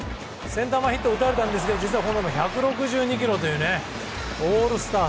センター前ヒット打たれたんですが実は１６２キロというオールスター